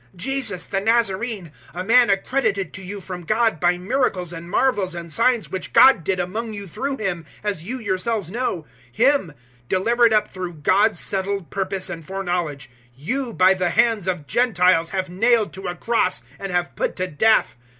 Jesus, the Nazarene, a man accredited to you from God by miracles and marvels and signs which God did among you through Him, as you yourselves know, Him 002:023 delivered up through God's settled purpose and foreknowledge you by the hands of Gentiles have nailed to a cross and have put to death.